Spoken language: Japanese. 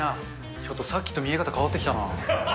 ちょっとさっきと見え方変わってきたな。